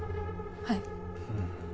はい。